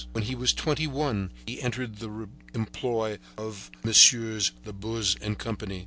When he was twenty one he entered the employ of Messieurs Labuze and Company.